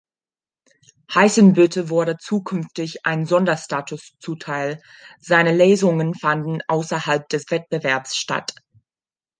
Heißenbüttel wurde zukünftig ein Sonderstatus zuteil: Seine Lesungen fanden außerhalb des Wettbewerbs statt.